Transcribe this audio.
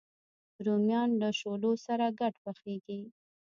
رومیان له شولو سره ګډ پخېږي